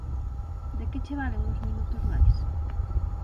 De que che valen uns minutos máis?